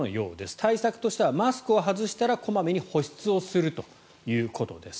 対策としてはマスクを外したら小まめに保湿するということです。